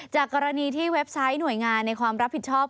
จากกรณีที่เว็บไซต์หน่วยงานในความรับผิดชอบ